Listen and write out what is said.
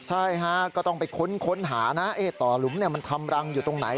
ใช่ฮะก็ต้องไปค้นค้นหานะเอ๊ต่อหลุ้มเนี้ยมันทำรังอยู่ตรงไหน